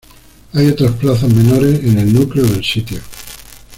Hay otras plazas menores en el núcleo del sitio.